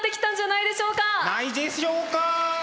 ないでしょうか？